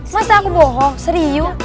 mas aku bohong serius